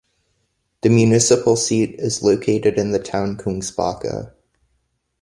The municipal seat is located in the town Kungsbacka.